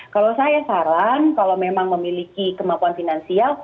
kalau saya saran kalau memang memiliki kemampuan finansial